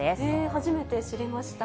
初めて知りました。